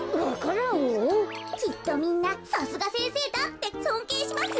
きっとみんな「さすがせんせいだ」ってそんけいしますよ。